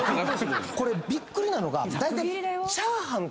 これびっくりなのが。